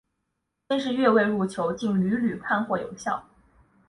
先是越位入球竟屡屡获判有效。